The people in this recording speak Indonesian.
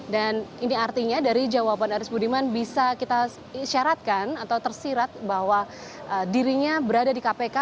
dan ini artinya dari jawaban aris buniman bisa kita syaratkan atau tersirat bahwa dirinya berada di kpk